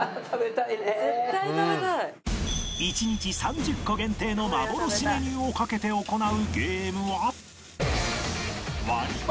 １日３０個限定の幻メニューを賭けて行うゲームは